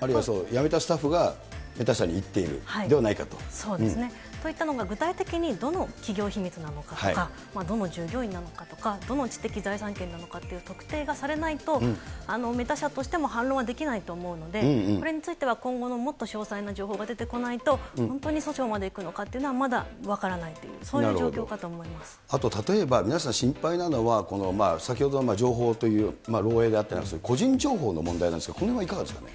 あるいは辞めたスタッフがメそうですね、そういった、具体的にどの企業秘密なのかとか、どの従業員なのかとか、どの知的財産権なのかという特定がされないと、メタ社としても反論はできないと思うので、これについては今後のもっと詳細な情報が出てこないと、本当に訴訟まで行くのかっていうのは、まだ分からないという、あと例えば、皆さん心配なのは、先ほど情報という、漏えいであったり、個人情報の問題なんですが、これはいかがでしょうか。